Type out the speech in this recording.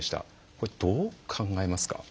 これどう考えますか？